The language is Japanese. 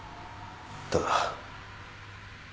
ただ。